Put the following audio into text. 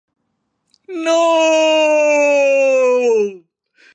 โน้ววววววววววววววววววว